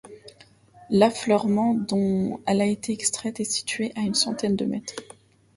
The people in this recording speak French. L'affleurement dont elle a été extraite est situé à une centaine de mètres.